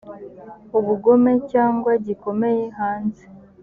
ubugome cyangwa gikomeye hanze